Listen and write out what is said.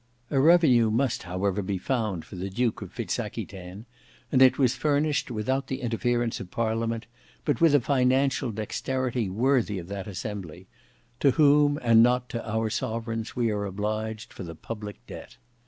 A revenue must however be found for the Duke of Fitz Aquitaine, and it was furnished without the interference of Parliament, but with a financial dexterity worthy of that assembly—to whom and not to our sovereigns we are obliged for the public debt.